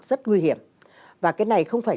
rất nguy hiểm và cái này không phải